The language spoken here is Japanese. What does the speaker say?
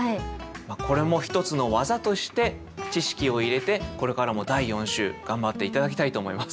これも一つの技として知識を入れてこれからも第４週頑張って頂きたいと思います。